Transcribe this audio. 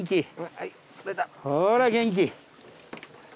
ほーら元気。